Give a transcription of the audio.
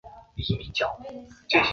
张某不服提起诉愿。